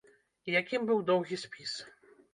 І якім быў доўгі спіс?